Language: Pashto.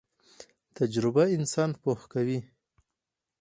تجربه انسان پوه کوي